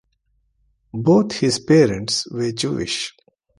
Both his parents were Jewish.